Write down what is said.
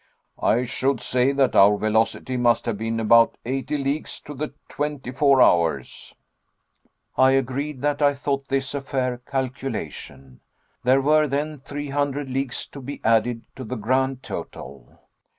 I should say that our velocity must have been about eighty leagues to the twenty four hours." I agreed that I thought this a fair calculation. There were then three hundred leagues to be added to the grand total.